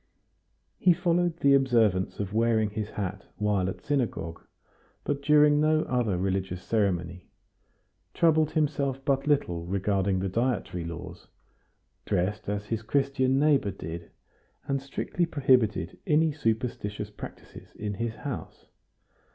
He followed the observance of wearing his hat while at synagogue, but during no other religious ceremony; troubled himself but little regarding the dietary laws; dressed as his Christian neighbor did; and strictly prohibited any superstitious practices in his house.